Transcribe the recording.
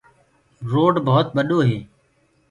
روڊ ڀوت ٻڏو هي۔